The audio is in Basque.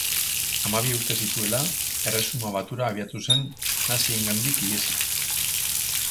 Hamabi urte zituela, Erresuma Batura abiatu zen naziengandik ihesi.